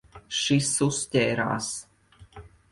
Šis uzķērās.